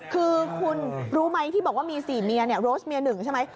คือคุณรู้ไหมที่บอกว่ามี๔เมียเนี่ยโรสเมีย๑ใช่ไหม